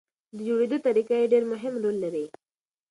د جوړېدو طریقه یې ډېر مهم رول لري.